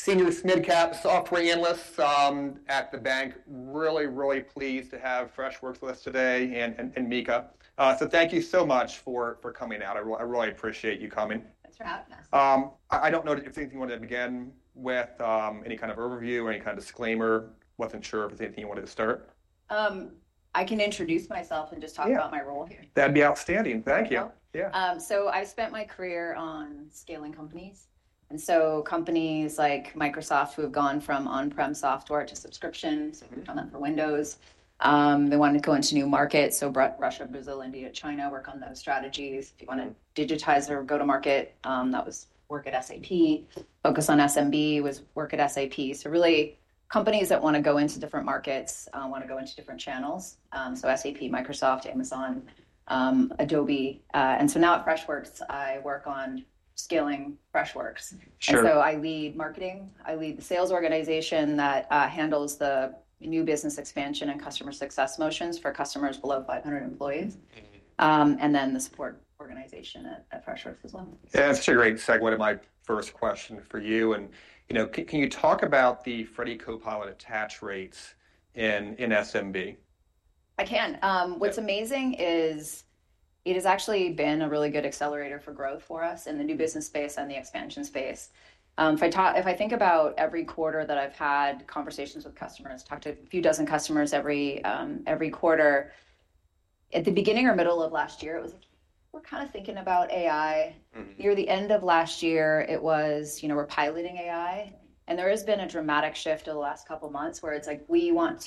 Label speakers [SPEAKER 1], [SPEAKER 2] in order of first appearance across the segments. [SPEAKER 1] Senior mid-cap software analyst at the bank. Really, really pleased to have Freshworks with us today, and Mika. Thank you so much for coming out. I really appreciate you coming.
[SPEAKER 2] That's right.
[SPEAKER 1] I don't know if there's anything you wanted to begin with, any kind of overview, any kind of disclaimer. Wasn't sure if there's anything you wanted to start.
[SPEAKER 2] I can introduce myself and just talk about my role here.
[SPEAKER 1] That'd be outstanding. Thank you.
[SPEAKER 2] Yeah. I spent my career on scaling companies. Companies like Microsoft, who have gone from on-prem software to subscriptions, worked on that for Windows. They wanted to go into new markets, Russia, Brazil, India, China, work on those strategies. If you want to digitize or go to market, that was work at SAP. Focus on SMB was work at SAP. Companies that want to go into different markets want to go into different channels. SAP, Microsoft, Amazon, Adobe. Now at Freshworks, I work on scaling Freshworks. I lead marketing. I lead the sales organization that handles the new business expansion and customer success motions for customers below 500 employees. The support organization at Freshworks as well.
[SPEAKER 1] That's a great segue to my first question for you. Can you talk about the Freddy Copilot attach rates in SMB?
[SPEAKER 2] I can. What's amazing is it has actually been a really good accelerator for growth for us in the new business space and the expansion space. If I think about every quarter that I've had conversations with customers, talked to a few dozen customers every quarter, at the beginning or middle of last year, it was like, we're kind of thinking about AI. Near the end of last year, it was, we're piloting AI. There has been a dramatic shift in the last couple of months where it's like, we want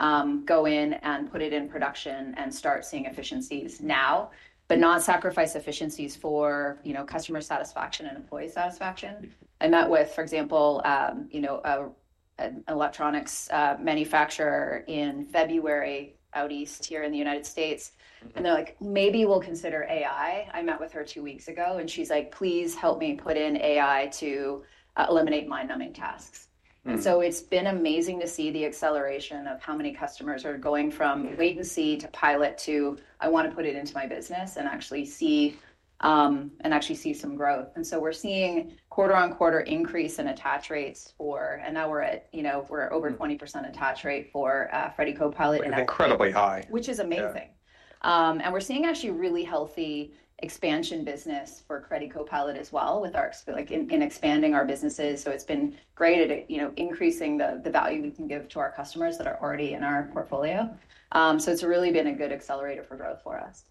[SPEAKER 2] to go in and put it in production and start seeing efficiencies now, but not sacrifice efficiencies for customer satisfaction and employee satisfaction. I met with, for example, an electronics manufacturer in February, out east here in the United States. They're like, maybe we'll consider AI. I met with her two weeks ago, and she's like, please help me put in AI to eliminate mind-numbing tasks. It's been amazing to see the acceleration of how many customers are going from wait and see to pilot to, I want to put it into my business and actually see some growth. We're seeing quarter on quarter increase in attach rates for, and now we're at over 20% attach rate for Freddy Copilot.
[SPEAKER 1] Which is incredibly high.
[SPEAKER 2] Which is amazing. We are seeing actually really healthy expansion business for Freddy Copilot as well with our expanding our businesses. It has been great at increasing the value we can give to our customers that are already in our portfolio. It has really been a good accelerator for growth for us.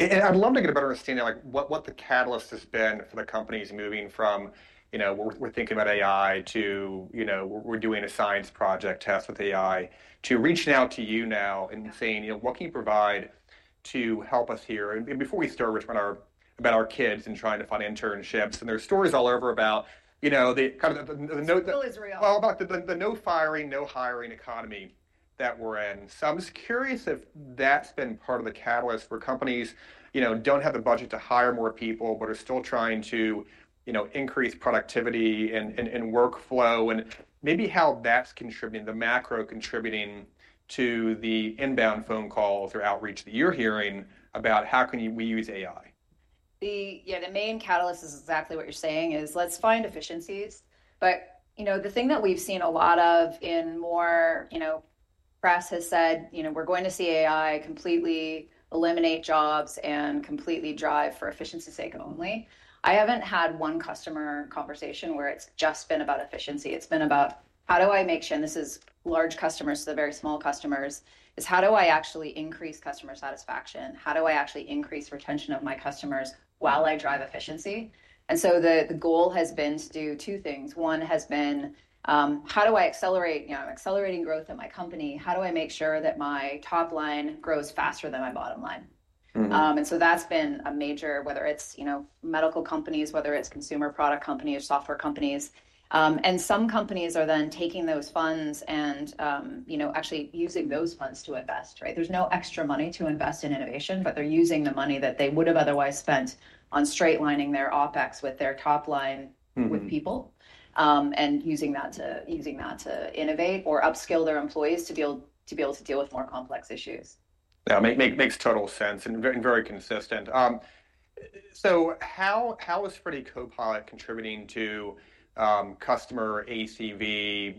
[SPEAKER 1] I'd love to get a better understanding of what the catalyst has been for the companies moving from, we're thinking about AI to, we're doing a science project test with AI, to reaching out to you now and saying, what can you provide to help us here? Before we start, we're talking about our kids and trying to find internships. There's stories all over about the.
[SPEAKER 2] Still is real.
[SPEAKER 1] The no-firing, no-hiring economy that we're in. I'm just curious if that's been part of the catalyst for companies who don't have the budget to hire more people, but are still trying to increase productivity and workflow, and maybe how that's contributing, the macro contributing to the inbound phone calls or outreach that you're hearing about how can we use AI.
[SPEAKER 2] Yeah, the main catalyst is exactly what you're saying is, let's find efficiencies. The thing that we've seen a lot of in more press has said, we're going to see AI completely eliminate jobs and completely drive for efficiency's sake only. I haven't had one customer conversation where it's just been about efficiency. It's been about, how do I make sure, and this is large customers to the very small customers, is how do I actually increase customer satisfaction? How do I actually increase retention of my customers while I drive efficiency? The goal has been to do two things. One has been, how do I accelerate growth at my company? How do I make sure that my top line grows faster than my bottom line? That's been a major, whether it's medical companies, whether it's consumer product companies, software companies. Some companies are then taking those funds and actually using those funds to invest. There's no extra money to invest in innovation, but they're using the money that they would have otherwise spent on straightlining their OPEX with their top line with people and using that to innovate or upskill their employees to be able to deal with more complex issues.
[SPEAKER 1] That makes total sense and very consistent. How is Freddy Copilot contributing to customer ACV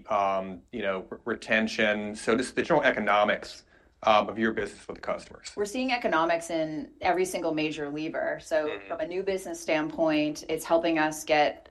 [SPEAKER 1] retention, so to speak, the general economics of your business with the customers?
[SPEAKER 2] We're seeing economics in every single major lever. From a new business standpoint, it's helping us get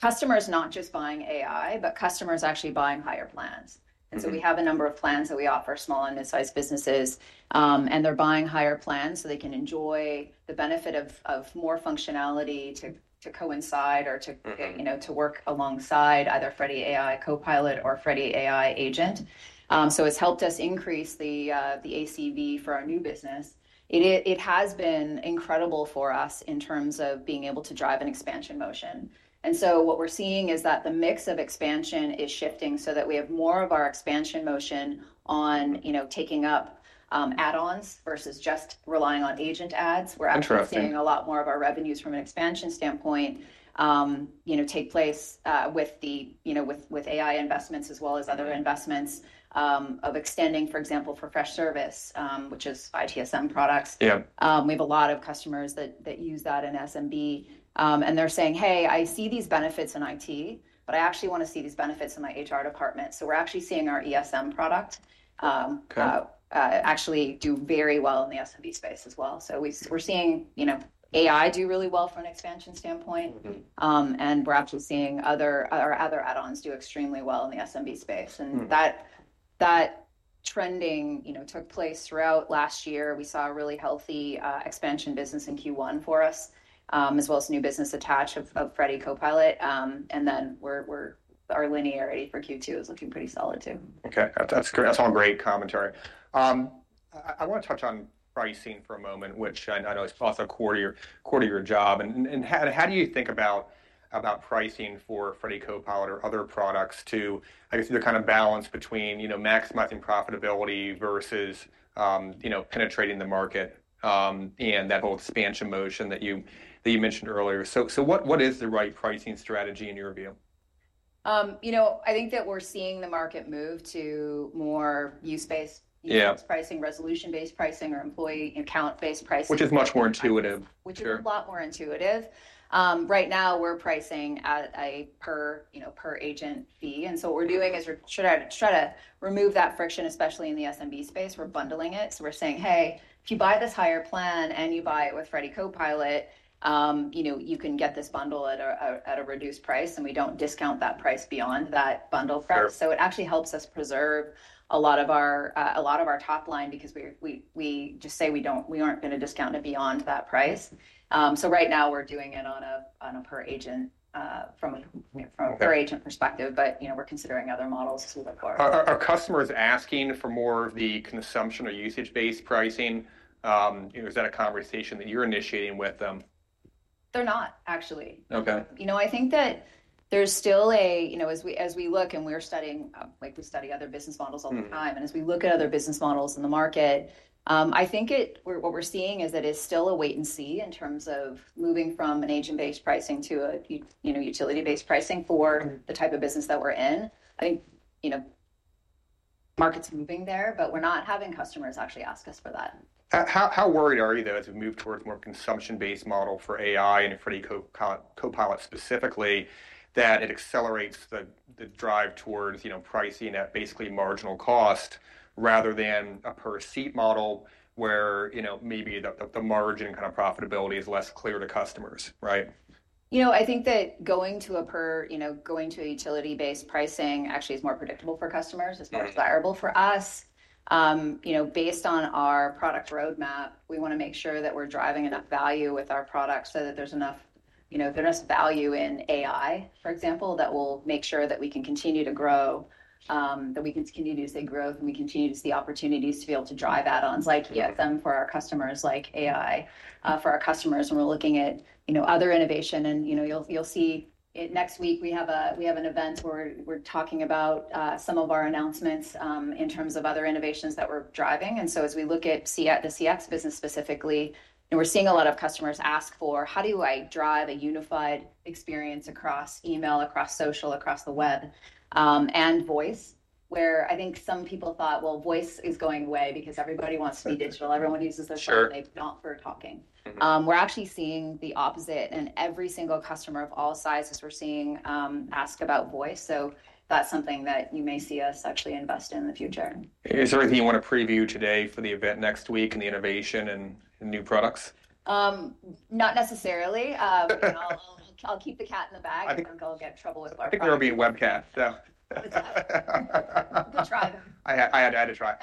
[SPEAKER 2] customers not just buying AI, but customers actually buying higher plans. We have a number of plans that we offer small and mid-sized businesses, and they're buying higher plans so they can enjoy the benefit of more functionality to coincide or to work alongside either Freddy Copilot or Freddy AI Agent. It's helped us increase the ACV for our new business. It has been incredible for us in terms of being able to drive an expansion motion. What we're seeing is that the mix of expansion is shifting so that we have more of our expansion motion on taking up add-ons versus just relying on agent ads. We're actually seeing a lot more of our revenues from an expansion standpoint take place with AI investments as well as other investments of extending, for example, for Freshservice, which is ITSM products. We have a lot of customers that use that in SMB. And they're saying, "Hey, I see these benefits in IT, but I actually want to see these benefits in my HR department." We're actually seeing our ESM product actually do very well in the SMB space as well. We're seeing AI do really well from an expansion standpoint. We're actually seeing other add-ons do extremely well in the SMB space. That trending took place throughout last year. We saw a really healthy expansion business in Q1 for us, as well as new business attach of Freddy Copilot. Our linearity for Q2 is looking pretty solid too.
[SPEAKER 1] Okay. That's great. That's all great commentary. I want to touch on pricing for a moment, which I know it's also a core to your job. How do you think about pricing for Freddy Copilot or other products to, I guess, the kind of balance between maximizing profitability versus penetrating the market and that whole expansion motion that you mentioned earlier? What is the right pricing strategy in your view?
[SPEAKER 2] I think that we're seeing the market move to more use-based pricing, resolution-based pricing, or employee account-based pricing.
[SPEAKER 1] Which is much more intuitive.
[SPEAKER 2] Which is a lot more intuitive. Right now, we're pricing at a per agent fee. What we're doing is we're trying to remove that friction, especially in the SMB space. We're bundling it. We're saying, "Hey, if you buy this higher plan and you buy it with Freddy Copilot, you can get this bundle at a reduced price." We do not discount that price beyond that bundle price. It actually helps us preserve a lot of our top line because we just say we are not going to discount it beyond that price. Right now, we're doing it on a per agent from a per agent perspective, but we're considering other models as we look forward.
[SPEAKER 1] Are customers asking for more of the consumption or usage-based pricing? Is that a conversation that you're initiating with them?
[SPEAKER 2] They're not, actually. I think that there's still a, as we look and we're studying like we study other business models all the time. As we look at other business models in the market, I think what we're seeing is that it's still a wait and see in terms of moving from an agent-based pricing to a utility-based pricing for the type of business that we're in. I think market's moving there, but we're not having customers actually ask us for that.
[SPEAKER 1] How worried are you, though, as we move towards a more consumption-based model for AI and Freddy Copilot specifically, that it accelerates the drive towards pricing at basically marginal cost rather than a per seat model where maybe the margin kind of profitability is less clear to customers, right?
[SPEAKER 2] I think that going to a utility-based pricing actually is more predictable for customers as far as viable for us. Based on our product roadmap, we want to make sure that we're driving enough value with our product so that there's enough value in AI, for example, that will make sure that we can continue to grow, that we can continue to see growth, and we continue to see opportunities to be able to drive add-ons like ESM for our customers, like AI for our customers. We're looking at other innovation. You'll see next week, we have an event where we're talking about some of our announcements in terms of other innovations that we're driving. As we look at the CX business specifically, we're seeing a lot of customers ask for, "How do I drive a unified experience across email, across social, across the web, and voice?" Where I think some people thought, "Well, voice is going away because everybody wants to be digital. Everyone uses their phone. They opt for talking." We're actually seeing the opposite. Every single customer of all sizes, we're seeing ask about voice. That's something that you may see us actually invest in the future.
[SPEAKER 1] Is there anything you want to preview today for the event next week and the innovation and new products?
[SPEAKER 2] Not necessarily. I'll keep the cat in the bag. I think I'll get in trouble with our product.
[SPEAKER 1] I think there'll be a webcast, so.
[SPEAKER 2] Good try.
[SPEAKER 1] I had to add a try.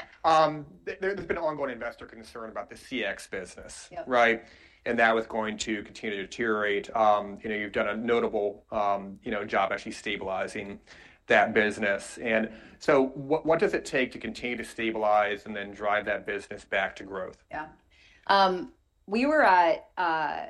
[SPEAKER 1] There's been an ongoing investor concern about the CX business, right? That was going to continue to deteriorate. You've done a notable job actually stabilizing that business. What does it take to continue to stabilize and then drive that business back to growth?
[SPEAKER 2] Yeah.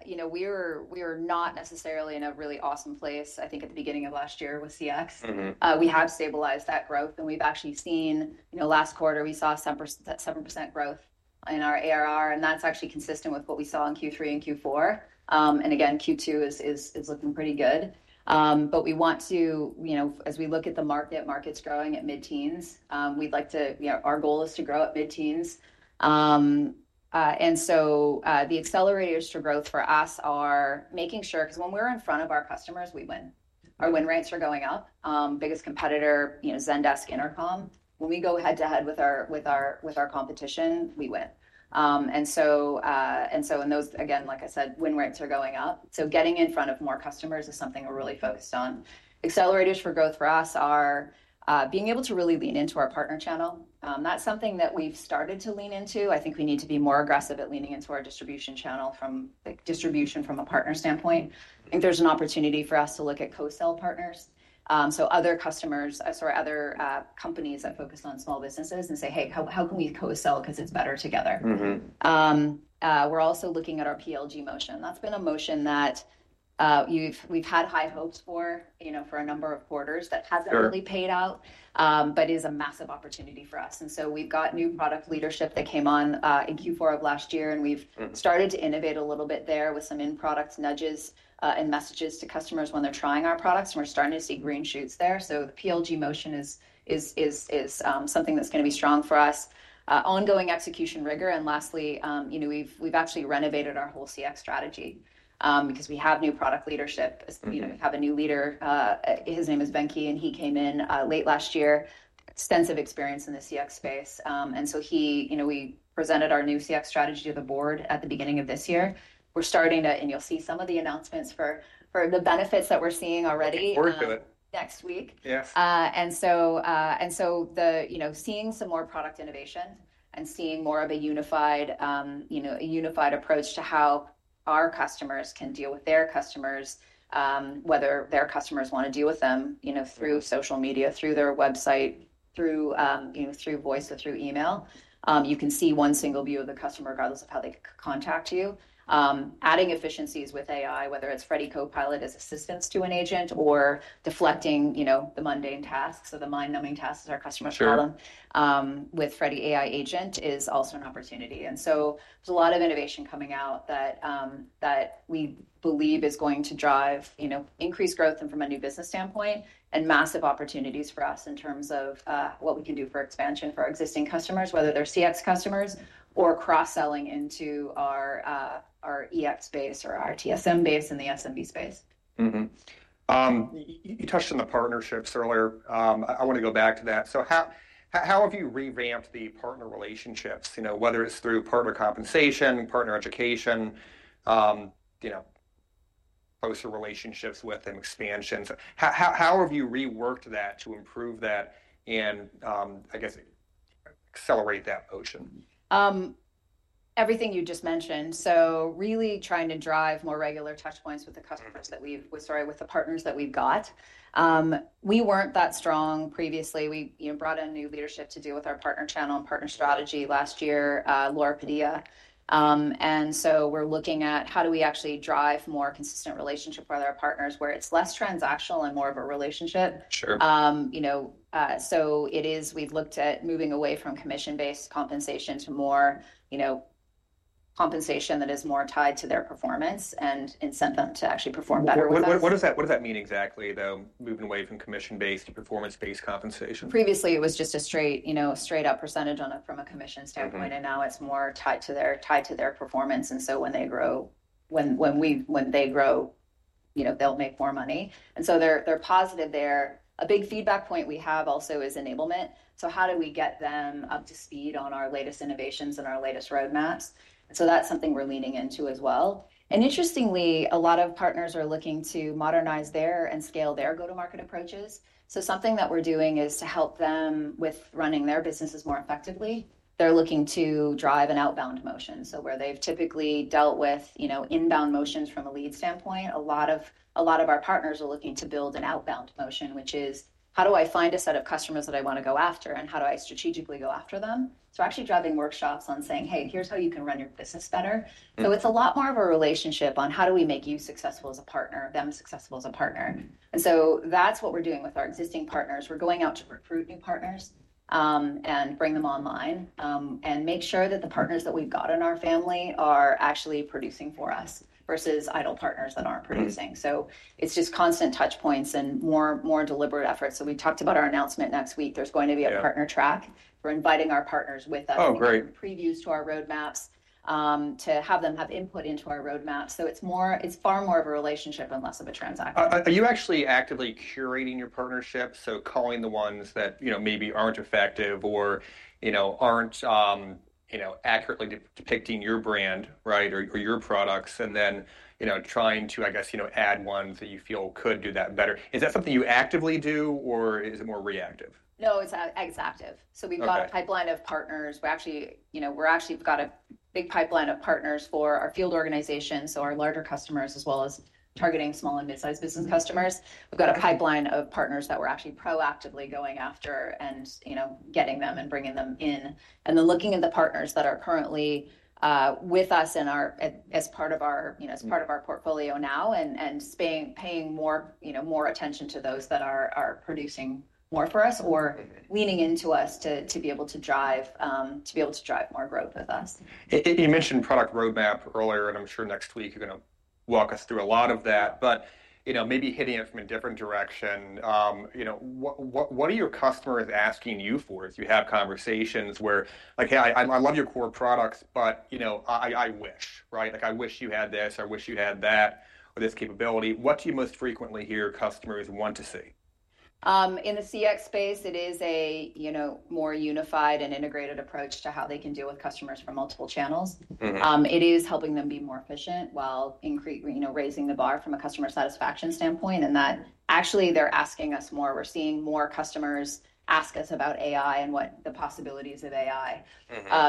[SPEAKER 2] We were not necessarily in a really awesome place, I think, at the beginning of last year with CX. We have stabilized that growth. We actually saw last quarter, we saw 7% growth in our ARR. That's actually consistent with what we saw in Q3 and Q4. Q2 is looking pretty good. We want to, as we look at the market, market's growing at mid-teens. We'd like to, our goal is to grow at mid-teens. The accelerators for growth for us are making sure, because when we're in front of our customers, we win. Our win rates are going up. Biggest competitor, Zendesk, Intercom. When we go head-to-head with our competition, we win. In those, again, like I said, win rates are going up. Getting in front of more customers is something we're really focused on. Accelerators for growth for us are being able to really lean into our partner channel. That's something that we've started to lean into. I think we need to be more aggressive at leaning into our distribution channel from a partner standpoint. I think there's an opportunity for us to look at co-sell partners. So other customers, sorry, other companies that focus on small businesses and say, "Hey, how can we co-sell because it's better together?" We're also looking at our PLG motion. That's been a motion that we've had high hopes for for a number of quarters that hasn't really paid out, but is a massive opportunity for us. And so we've got new product leadership that came on in Q4 of last year, and we've started to innovate a little bit there with some in-product nudges and messages to customers when they're trying our products. We're starting to see green shoots there. The PLG motion is something that's going to be strong for us. Ongoing execution rigor. Lastly, we've actually renovated our whole CX strategy because we have new product leadership. We have a new leader. His name is Venki, and he came in late last year, extensive experience in the CX space. We presented our new CX strategy to the board at the beginning of this year. We're starting to, and you'll see some of the announcements for the benefits that we're seeing already.
[SPEAKER 1] We're good.
[SPEAKER 2] Next week. Seeing some more product innovation and seeing more of a unified approach to how our customers can deal with their customers, whether their customers want to deal with them through social media, through their website, through voice, or through email. You can see one single view of the customer regardless of how they contact you. Adding efficiencies with AI, whether it's Freddy Copilot as assistance to an agent or deflecting the mundane tasks or the mind-numbing tasks our customers have with Freddy AI Agent, is also an opportunity. There is a lot of innovation coming out that we believe is going to drive increased growth from a new business standpoint and massive opportunities for us in terms of what we can do for expansion for our existing customers, whether they are CX customers or cross-selling into our EX base or our TSM base in the SMB space.
[SPEAKER 1] You touched on the partnerships earlier. I want to go back to that. How have you revamped the partner relationships, whether it's through partner compensation, partner education, closer relationships with them, expansions? How have you reworked that to improve that and, I guess, accelerate that motion?
[SPEAKER 2] Everything you just mentioned. Really trying to drive more regular touchpoints with the customers that we've, sorry, with the partners that we've got. We were not that strong previously. We brought in new leadership to deal with our partner channel and partner strategy last year, Laura Padilla. We are looking at how do we actually drive more consistent relationship with our partners where it is less transactional and more of a relationship. We have looked at moving away from commission-based compensation to more compensation that is more tied to their performance and incent them to actually perform better with us.
[SPEAKER 1] What does that mean exactly, though, moving away from commission-based to performance-based compensation?
[SPEAKER 2] Previously, it was just a straight-up % from a commission standpoint, and now it's more tied to their performance. When they grow, they'll make more money. They're positive there. A big feedback point we have also is enablement. How do we get them up to speed on our latest innovations and our latest roadmaps? That's something we're leaning into as well. Interestingly, a lot of partners are looking to modernize and scale their go-to-market approaches. Something that we're doing is to help them with running their businesses more effectively. They're looking to drive an outbound motion. Where they've typically dealt with inbound motions from a lead standpoint, a lot of our partners are looking to build an outbound motion, which is, how do I find a set of customers that I want to go after, and how do I strategically go after them? Actually driving workshops on saying, "Hey, here's how you can run your business better." It is a lot more of a relationship on how do we make you successful as a partner, them successful as a partner. That is what we're doing with our existing partners. We're going out to recruit new partners and bring them online and make sure that the partners that we've got in our family are actually producing for us versus idle partners that aren't producing. It is just constant touchpoints and more deliberate efforts. We talked about our announcement next week. There's going to be a partner track. We're inviting our partners with us.
[SPEAKER 1] Oh, great.
[SPEAKER 2] Previews to our roadmaps to have them have input into our roadmaps. It is far more of a relationship and less of a transaction.
[SPEAKER 1] Are you actually actively curating your partnerships? Calling the ones that maybe aren't effective or aren't accurately depicting your brand, right, or your products, and then trying to, I guess, add ones that you feel could do that better. Is that something you actively do, or is it more reactive?
[SPEAKER 2] No, it's active. We've got a pipeline of partners. We actually got a big pipeline of partners for our field organizations, our larger customers, as well as targeting small and mid-sized business customers. We've got a pipeline of partners that we're proactively going after and getting them and bringing them in. Looking at the partners that are currently with us as part of our portfolio now and paying more attention to those that are producing more for us or leaning into us to be able to drive more growth with us.
[SPEAKER 1] You mentioned product roadmap earlier, and I'm sure next week you're going to walk us through a lot of that, but maybe hitting it from a different direction. What are your customers asking you for? If you have conversations where, like, "Hey, I love your core products, but I wish," right? Like, "I wish you had this. I wish you had that or this capability." What do you most frequently hear customers want to see?
[SPEAKER 2] In the CX space, it is a more unified and integrated approach to how they can deal with customers from multiple channels. It is helping them be more efficient while raising the bar from a customer satisfaction standpoint, and that actually they're asking us more. We're seeing more customers ask us about AI and what the possibilities of AI.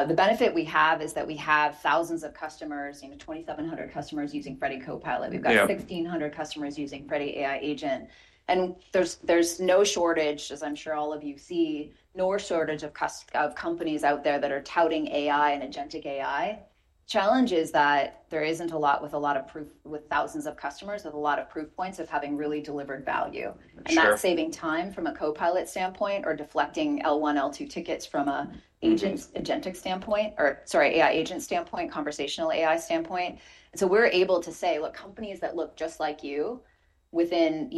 [SPEAKER 2] The benefit we have is that we have thousands of customers, 2,700 customers using Freddy Copilot. We've got 1,600 customers using Freddy AI Agent. There is no shortage, as I'm sure all of you see, nor shortage of companies out there that are touting AI and agentic AI. The challenge is that there isn't a lot with a lot of proof with thousands of customers with a lot of proof points of having really delivered value. That is saving time from a copilot standpoint or deflecting L1, L2 tickets from an agentic standpoint or, sorry, AI agent standpoint, conversational AI standpoint. We are able to say, "Look, companies that look just like you within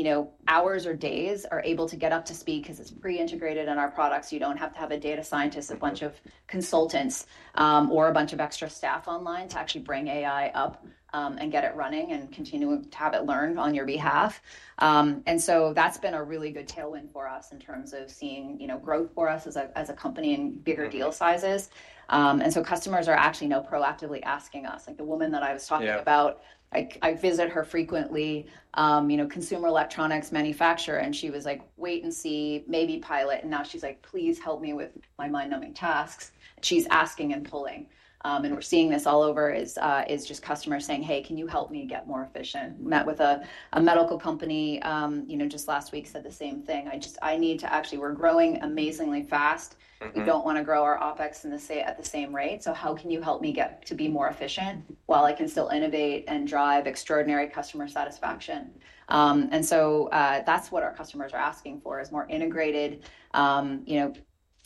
[SPEAKER 2] hours or days are able to get up to speed because it is pre-integrated in our products. You do not have to have a data scientist, a bunch of consultants, or a bunch of extra staff online to actually bring AI up and get it running and continue to have it learn on your behalf." That has been a really good tailwind for us in terms of seeing growth for us as a company and bigger deal sizes. Customers are actually now proactively asking us. Like the woman that I was talking about, I visit her frequently, consumer electronics manufacturer, and she was like, "Wait and see, maybe pilot." Now she's like, "Please help me with my mind-numbing tasks." She's asking and pulling. We're seeing this all over, just customers saying, "Hey, can you help me get more efficient?" Met with a medical company just last week, said the same thing. I need to actually, we're growing amazingly fast. We don't want to grow our OPEX at the same rate. How can you help me get to be more efficient while I can still innovate and drive extraordinary customer satisfaction? That's what our customers are asking for, more integrated,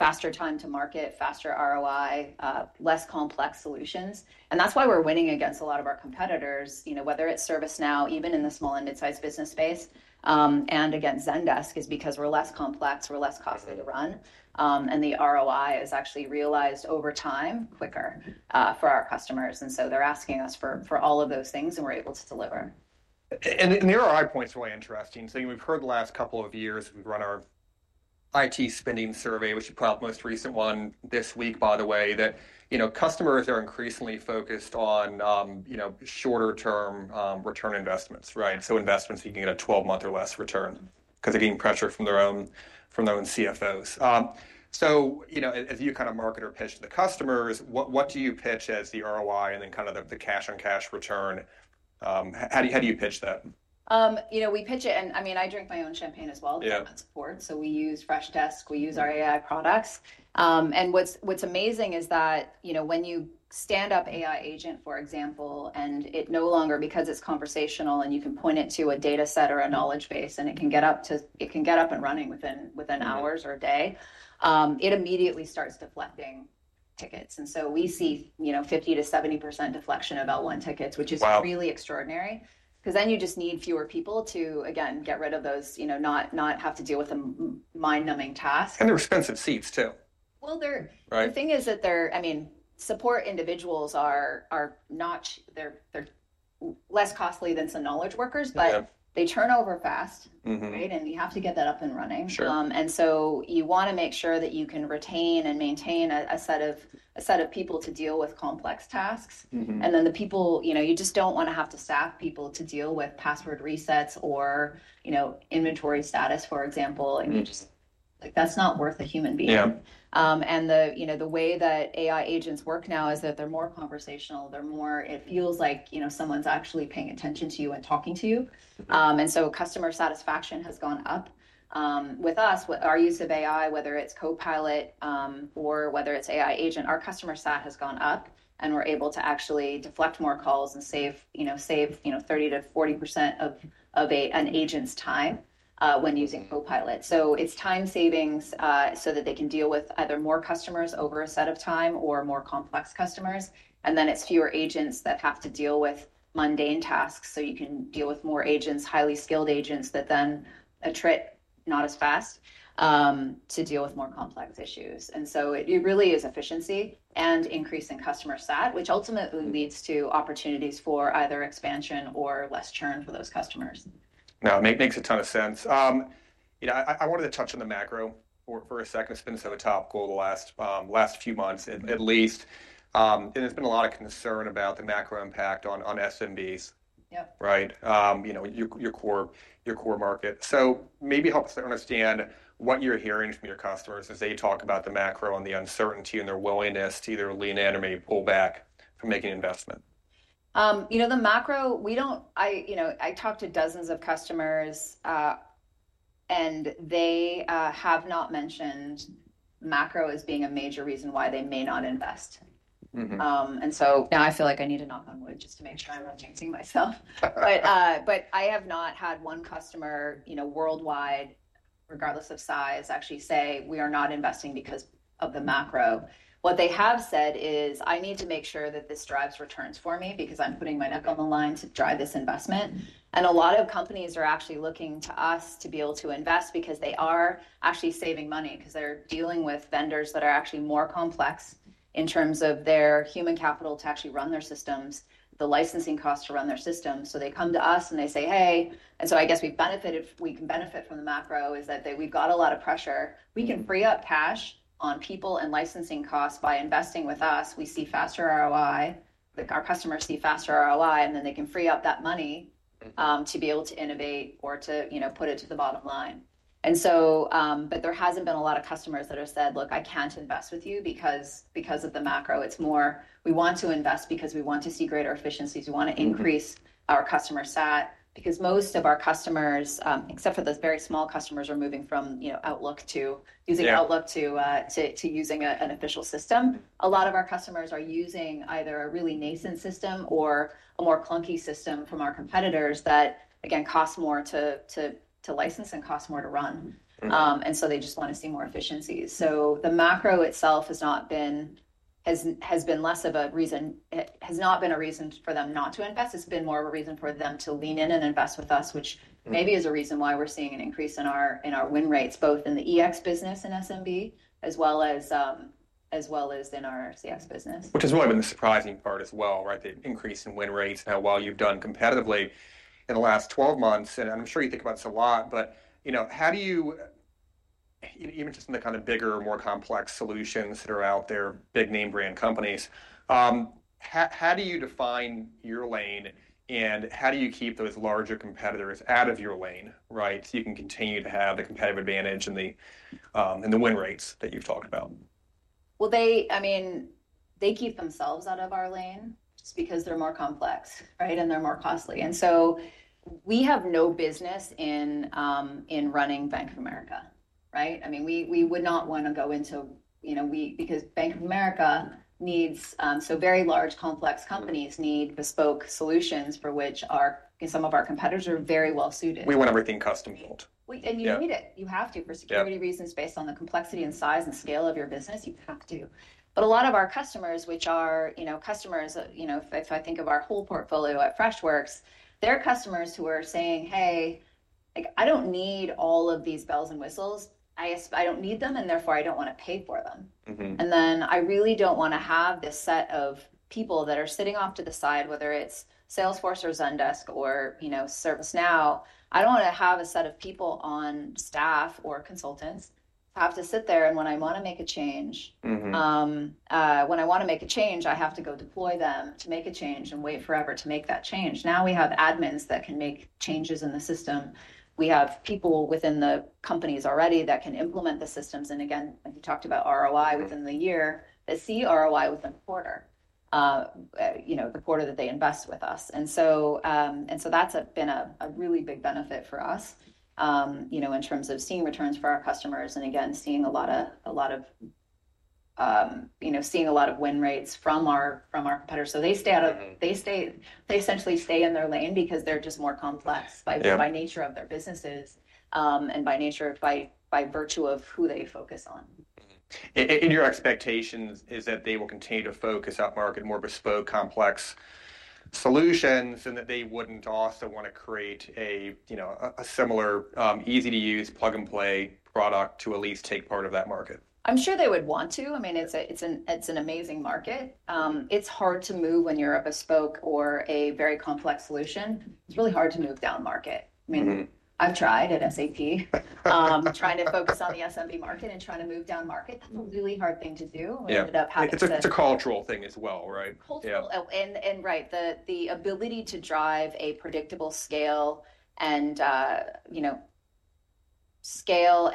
[SPEAKER 2] faster time to market, faster ROI, less complex solutions. That is why we're winning against a lot of our competitors, whether it's ServiceNow, even in the small and mid-sized business space, and against Zendesk, because we're less complex, we're less costly to run. The ROI is actually realized over time quicker for our customers. They are asking us for all of those things, and we're able to deliver.
[SPEAKER 1] There are high points, really interesting. We've heard the last couple of years we've run our IT spending survey, which is probably the most recent one this week, by the way, that customers are increasingly focused on shorter-term return investments, right? Investments you can get a 12-month or less return because they're getting pressure from their own CFOs. As you kind of market or pitch to the customers, what do you pitch as the ROI and then kind of the cash-on-cash return? How do you pitch that?
[SPEAKER 2] We pitch it, and I mean, I drink my own champagne as well. That's important. We use Freshdesk. We use our AI products. What's amazing is that when you stand up AI Agent, for example, and it no longer, because it's conversational and you can point it to a data set or a knowledge base, and it can get up and running within hours or a day, it immediately starts deflecting tickets. We see 50-70% deflection of L1 tickets, which is really extraordinary because then you just need fewer people to, again, get rid of those, not have to deal with a mind-numbing task.
[SPEAKER 1] They're expensive seats, too.
[SPEAKER 2] The thing is that they're, I mean, support individuals are not less costly than some knowledge workers, but they turn over fast, right? You have to get that up and running. You want to make sure that you can retain and maintain a set of people to deal with complex tasks. The people, you just don't want to have to staff people to deal with password resets or inventory status, for example. You just, like, that's not worth a human being. The way that AI agents work now is that they're more conversational. They're more, it feels like someone's actually paying attention to you and talking to you. Customer satisfaction has gone up. With us, our use of AI, whether it's Copilot or whether it's AI Agent, our customer sat has gone up, and we're able to actually deflect more calls and save 30-40% of an agent's time when using Copilot. It's time savings so that they can deal with either more customers over a set of time or more complex customers. It is fewer agents that have to deal with mundane tasks. You can deal with more agents, highly skilled agents that then attrit not as fast to deal with more complex issues. It really is efficiency and increase in customer sat, which ultimately leads to opportunities for either expansion or less churn for those customers.
[SPEAKER 1] Now, it makes a ton of sense. I wanted to touch on the macro for a second. It's been so topical the last few months, at least. There's been a lot of concern about the macro impact on SMBs, right, your core market. Maybe help us understand what you're hearing from your customers as they talk about the macro and the uncertainty and their willingness to either lean in or maybe pull back from making an investment.
[SPEAKER 2] The macro, I talked to dozens of customers, and they have not mentioned macro as being a major reason why they may not invest. I feel like I need to knock on wood just to make sure I'm not texting myself. I have not had one customer worldwide, regardless of size, actually say, "We are not investing because of the macro." What they have said is, "I need to make sure that this drives returns for me because I'm putting my neck on the line to drive this investment." A lot of companies are actually looking to us to be able to invest because they are actually saving money because they're dealing with vendors that are actually more complex in terms of their human capital to actually run their systems, the licensing costs to run their systems. They come to us and they say, "Hey." I guess we can benefit from the macro is that we've got a lot of pressure. We can free up cash on people and licensing costs by investing with us. We see faster ROI. Our customers see faster ROI, and then they can free up that money to be able to innovate or to put it to the bottom line. There hasn't been a lot of customers that have said, "Look, I can't invest with you because of the macro." It's more, "We want to invest because we want to see greater efficiencies. We want to increase our customer sat. Because most of our customers, except for those very small customers who are moving from Outlook to using Outlook to using an official system, a lot of our customers are using either a really nascent system or a more clunky system from our competitors that, again, costs more to license and costs more to run. They just want to see more efficiencies. The macro itself has been less of a reason, has not been a reason for them not to invest. It's been more of a reason for them to lean in and invest with us, which maybe is a reason why we're seeing an increase in our win rates, both in the EX business and SMB, as well as in our CX business.
[SPEAKER 1] Which has really been the surprising part as well, right? The increase in win rates now while you've done competitively in the last 12 months. I'm sure you think about this a lot, but how do you, even just in the kind of bigger, more complex solutions that are out there, big name brand companies, how do you define your lane and how do you keep those larger competitors out of your lane, right, so you can continue to have the competitive advantage and the win rates that you've talked about?
[SPEAKER 2] I mean, they keep themselves out of our lane just because they're more complex, right, and they're more costly. And we have no business in running Bank of America, right? I mean, we would not want to go into because Bank of America needs so very large, complex companies need bespoke solutions for which some of our competitors are very well suited.
[SPEAKER 1] We want everything custom-built.
[SPEAKER 2] You need it. You have to for security reasons based on the complexity and size and scale of your business. You have to. A lot of our customers, which are customers, if I think of our whole portfolio at Freshworks, they're customers who are saying, "Hey, I don't need all of these bells and whistles. I don't need them, and therefore, I don't want to pay for them." I really don't want to have this set of people that are sitting off to the side, whether it's Salesforce or Zendesk or ServiceNow. I don't want to have a set of people on staff or consultants have to sit there. When I want to make a change, when I want to make a change, I have to go deploy them to make a change and wait forever to make that change. Now we have admins that can make changes in the system. We have people within the companies already that can implement the systems. We talked about ROI within the year. They see ROI within a quarter, the quarter that they invest with us. That's been a really big benefit for us in terms of seeing returns for our customers and, again, seeing a lot of win rates from our competitors. They essentially stay in their lane because they're just more complex by nature of their businesses and by virtue of who they focus on.
[SPEAKER 1] Your expectation is that they will continue to focus upmarket, more bespoke, complex solutions, and that they wouldn't also want to create a similar, easy-to-use, plug-and-play product to at least take part of that market.
[SPEAKER 2] I'm sure they would want to. I mean, it's an amazing market. It's hard to move when you're a bespoke or a very complex solution. It's really hard to move down market. I mean, I've tried at SAP trying to focus on the SMB market and trying to move down market. That's a really hard thing to do.
[SPEAKER 1] It's a cultural thing as well, right?
[SPEAKER 2] Cultural. Right, the ability to drive a predictable scale and scale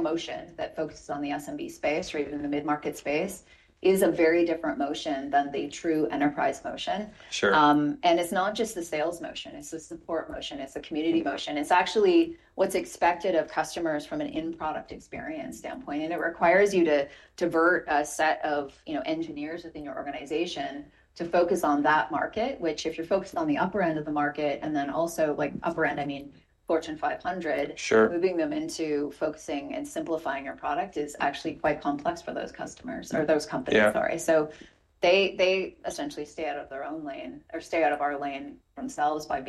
[SPEAKER 2] motion that focuses on the SMB space or even the mid-market space is a very different motion than the true enterprise motion. It's not just the sales motion. It's a support motion. It's a community motion. It's actually what's expected of customers from an in-product experience standpoint. It requires you to divert a set of engineers within your organization to focus on that market, which if you're focused on the upper end of the market, and then also upper end, I mean, Fortune 500, moving them into focusing and simplifying your product is actually quite complex for those customers or those companies. Sorry. They essentially stay out of their own lane or stay out of our lane themselves by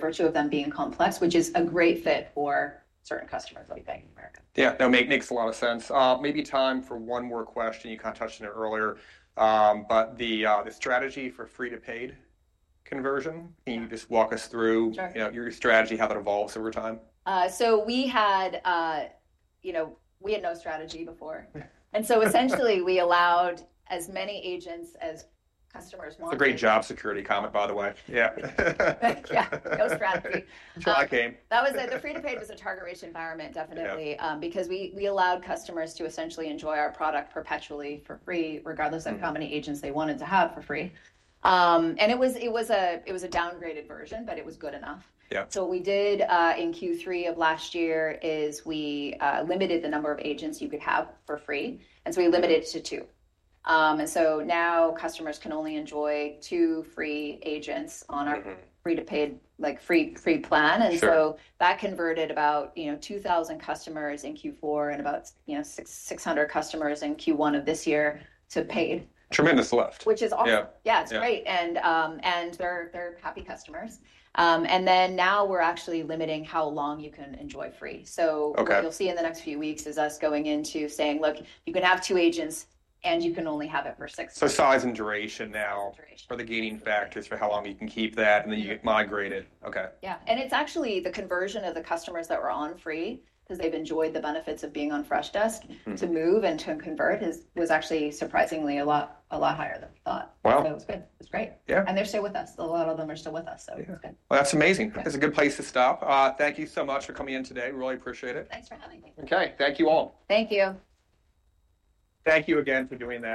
[SPEAKER 2] virtue of them being complex, which is a great fit for certain customers like Bank of America.
[SPEAKER 1] Yeah. That makes a lot of sense. Maybe time for one more question. You kind of touched on it earlier, but the strategy for free-to-paid conversion, can you just walk us through your strategy, how that evolves over time?
[SPEAKER 2] We had no strategy before. And so essentially, we allowed as many agents as customers wanted.
[SPEAKER 1] It's a great job security comment, by the way.
[SPEAKER 2] Yeah. No strategy.
[SPEAKER 1] That's where I came.
[SPEAKER 2] The free-to-paid was a target-rich environment, definitely, because we allowed customers to essentially enjoy our product perpetually for free, regardless of how many agents they wanted to have for free. It was a downgraded version, but it was good enough. What we did in Q3 of last year is we limited the number of agents you could have for free. We limited it to two. Now customers can only enjoy two free agents on our free-to-paid free plan. That converted about 2,000 customers in Q4 and about 600 customers in Q1 of this year to paid.
[SPEAKER 1] Tremendous left.
[SPEAKER 2] Which is awesome. Yeah, it's great. And they're happy customers. Now we're actually limiting how long you can enjoy free. What you'll see in the next few weeks is us going into saying, "Look, you can have two agents, and you can only have it for six.
[SPEAKER 1] Size and duration now are the gaining factors for how long you can keep that, and then you get migrated. Okay.
[SPEAKER 2] Yeah. It's actually the conversion of the customers that were on free because they've enjoyed the benefits of being on Freshdesk to move and to convert was actually surprisingly a lot higher than we thought. It was good. It was great. They're still with us. A lot of them are still with us, so it's good.
[SPEAKER 1] That's amazing. That's a good place to stop. Thank you so much for coming in today. We really appreciate it.
[SPEAKER 2] Thanks for having me.
[SPEAKER 1] Okay. Thank you all.
[SPEAKER 2] Thank you.
[SPEAKER 1] Thank you again for doing that.